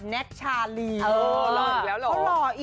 แน็ตชาลี